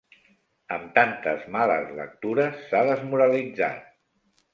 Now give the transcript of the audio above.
Amb tantes males lectures s'ha desmoralitzat.